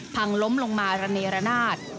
พังล้มลงมาระเนรนาศ